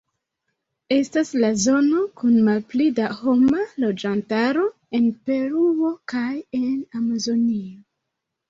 Estas la zono kun malpli da homa loĝantaro en Peruo kaj en Amazonio.